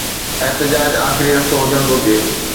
احتجاج آخري رستو هجڻ گهرجي.